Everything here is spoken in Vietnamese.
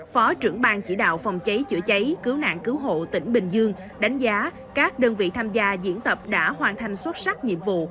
phó trưởng bang chỉ đạo phòng cháy chữa cháy cứu nạn cứu hộ tỉnh bình dương đánh giá các đơn vị tham gia diễn tập đã hoàn thành xuất sắc nhiệm vụ